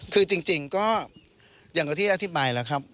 คือจริงก็อย่างที่อธิบายแล้วครับ